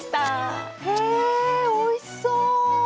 へえおいしそう。